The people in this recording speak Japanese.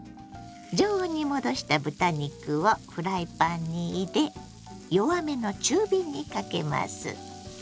常温に戻した豚肉をフライパンに入れ弱めの中火にかけます。